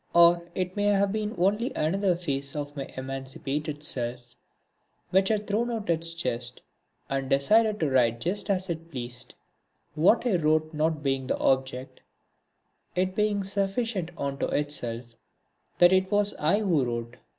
Or it may have been only another phase of my emancipated self which had thrown out its chest and decided to write just as it pleased; what I wrote not being the object, it being sufficient unto itself that it was I who wrote.